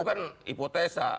itu kan hipotesa